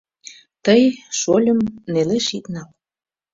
— Тый, шольым, нелеш ит нал.